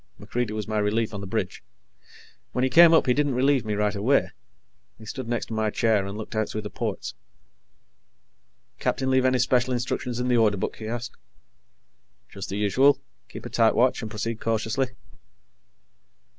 MacReidie was my relief on the bridge. When he came up, he didn't relieve me right away. He stood next to my chair and looked out through the ports. "Captain leave any special instructions in the Order Book?" he asked. "Just the usual. Keep a tight watch and proceed cautiously."